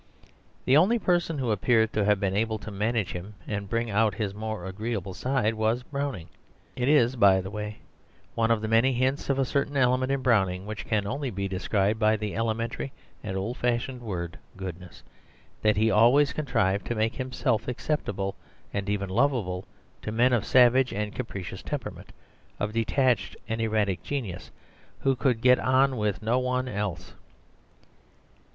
The only person who appears to have been able to manage him and bring out his more agreeable side was Browning. It is, by the way, one of the many hints of a certain element in Browning which can only be described by the elementary and old fashioned word goodness, that he always contrived to make himself acceptable and even lovable to men of savage and capricious temperament, of detached and erratic genius, who could get on with no one else.